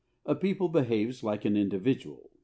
A people behaves like an individual.